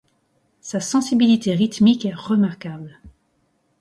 Sa sensibilité rythmique est remarquable.